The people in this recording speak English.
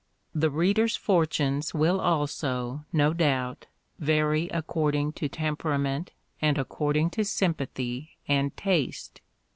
The reader's fortunes will also, no doubt, vary according to temperament and accord ing to sympathy and taste.